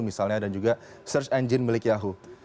misalnya dan juga search engine milik yahoo